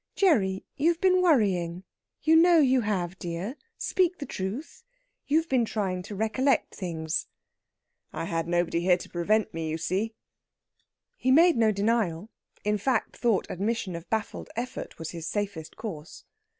"Gerry, you've been worrying. You know you have, dear. Speak the truth! You've been trying to recollect things." "I had nobody here to prevent me, you see." He made no denial; in fact, thought admission of baffled effort was his safest course.